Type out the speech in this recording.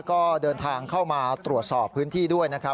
ก็เดินทางเข้ามาตรวจสอบพื้นที่ด้วยนะครับ